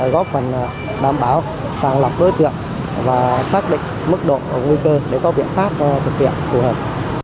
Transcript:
góp phần đảm bảo sàng lọc đối tượng và xác định mức độ nguy cơ để có biện pháp thực hiện phù hợp